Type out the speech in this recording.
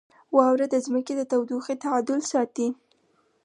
• واوره د ځمکې د تودوخې تعادل ساتي.